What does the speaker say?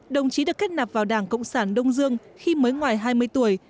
đồng chí được kết nạp vào đảng cộng sản đông dương khi mới ngoài hai mươi tuổi